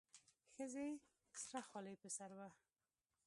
ښځې سره خولۍ په سر وه.